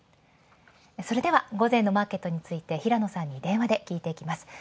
それでは午前のマーケットについて平野さんに電話で聞いていきます。